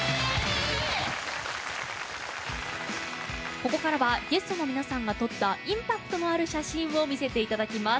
ここからはゲストの皆さんが撮ったインパクトのある写真を見せていただきます。